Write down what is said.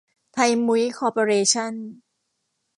ไทยมุ้ย คอร์ปอเรชั่น